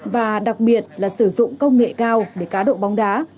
và đặc biệt là sử dụng công nghệ cao để cá độ bóng đá